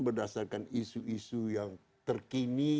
berdasarkan isu isu yang terkini